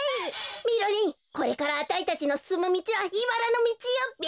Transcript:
みろりんこれからあたいたちのすすむみちはいばらのみちよべ。